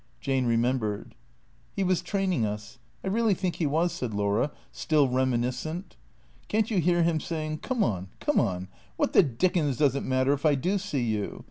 Jane remembered. " He was training us ; I really think he was," said Laura, still reminiscent. " Can't you hear him saying, ' Come on, come on, what the dickens does it matter if I do see you?